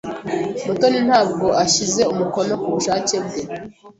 Mutoni ntabwo yashyize umukono ku bushake bwe.